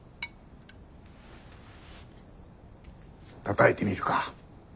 たたいてみるか？